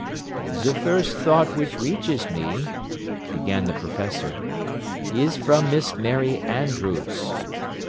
"The first thought which reaches me," began the professor, "is from Miss Mary Andrews.